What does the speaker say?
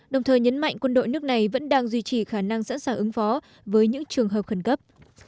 đồng thời nhấn mạnh quân đội nước này vẫn đang duy trì khả năng sẵn sàng ứng phó với những trường hợp khẩn cấp